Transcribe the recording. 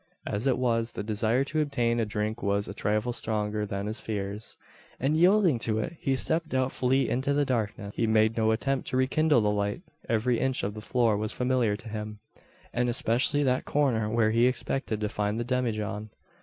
As it was, the desire to obtain a drink was a trifle stronger than his fears; and yielding to it, he stepped doubtfully into the darkness. He made no attempt to rekindle the light. Every inch of the floor was familiar to him; and especially that corner where he expected to find the demijohn.